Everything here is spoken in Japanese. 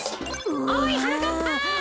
おいはなかっぱ。